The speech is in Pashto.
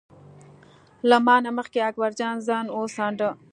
له ما نه مخکې اکبر جان ځان وڅانډه.